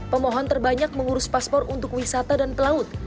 pemohon terbanyak mengurus paspor untuk wisata dan pelaut